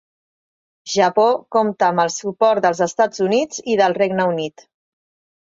Japó compta amb el suport dels Estats Units i del Regne Unit.